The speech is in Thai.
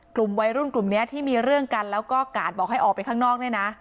กลุ่มวัยรุ่นกลุ่มนี้ที่มีเรื่องกันแล้วก็กาดบอกให้ออกไปข้างนอกเนี่ยนะ